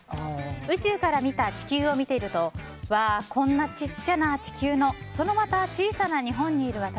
宇宙から見た地球を見ているとわー、こんなちっちゃな地球のそのまた小さな日本にいる私。